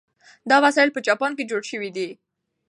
دا وسایل په جاپان کې جوړ شوي دي.